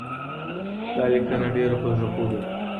دا لیکنه ډېره په زړه پوري وه.